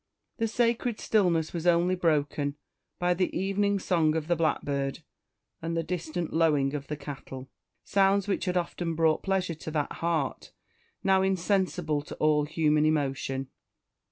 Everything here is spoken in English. The sacred stillness was only broken by the evening song of the blackbird and the distant lowing of the cattle sounds which had often brought pleasure to that heart, now insensible to all human emotion.